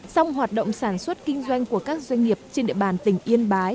song hoạt động sản xuất kinh doanh của các doanh nghiệp trên địa bàn tỉnh yên bái